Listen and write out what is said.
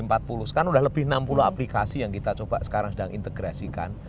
sekarang sudah lebih enam puluh aplikasi yang kita coba sekarang sedang integrasikan